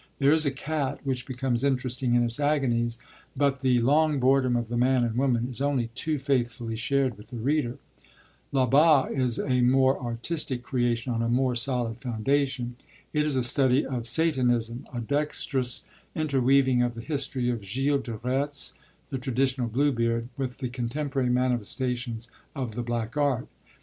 There is a cat which becomes interesting in its agonies; but the long boredom of the man and woman is only too faithfully shared with the reader. Là Bas is a more artistic creation, on a more solid foundation. It is a study of Satanism, a dexterous interweaving of the history of Gilles de Retz (the traditional Bluebeard) with the contemporary manifestations of the Black Art.